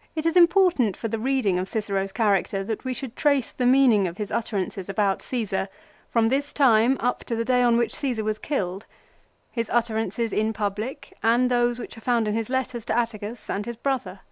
2 It is important for the reading of Cicero's character that we should trace the meaning of his utterances about Csesar from this time up to the day on which Csesar was killed, his utterances in public and those which are found in his letters to Atticus and his brother.